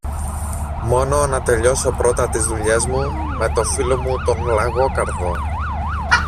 Μόνο να τελειώσω πρώτα τις δουλειές μου με το φίλο μου τον Λαγόκαρδο.